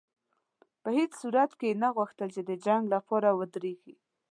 په هېڅ صورت یې نه غوښتل چې د جنګ لپاره ودرېږي.